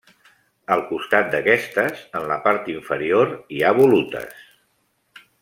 Al costat d'aquestes, en la part inferior, hi ha volutes.